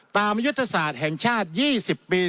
ยุทธศาสตร์แห่งชาติ๒๐ปี